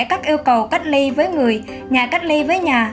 các yêu cầu cách ly với người nhà cách ly với nhà